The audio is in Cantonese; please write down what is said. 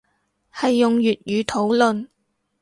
係用粵語討論